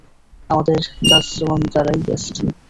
আমাদের জাসয়োন্দারই বেস্ট।